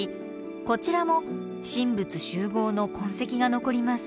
こちらも神仏習合の痕跡が残ります。